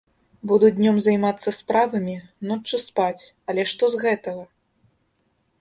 Буду днём займацца справамі, ноччу спаць, але што з гэтага?